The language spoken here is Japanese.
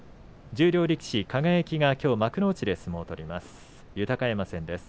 十両力士の輝がきょう幕内で相撲を取ります。